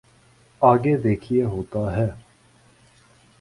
آگے دیکھیے ہوتا ہے۔